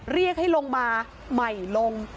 เรียกให้ลงมาใหม่ลง